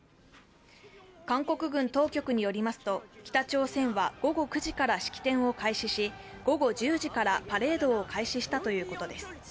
韓国軍当局によりますと北朝鮮は午後９時から式典を開始し、午後１０時からパレードを開始したということです。